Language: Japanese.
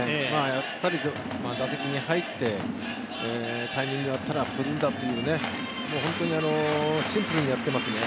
やっぱり打席に入って、タイミングが合ったら振るんだという本当にシンプルにやってますね。